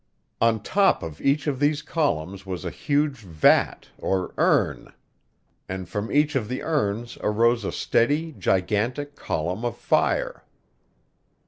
On top of each of these columns was a huge vat or urn, and from each of the urns arose a steady, gigantic column of fire.